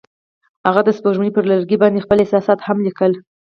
هغوی د سپوږمۍ پر لرګي باندې خپل احساسات هم لیکل.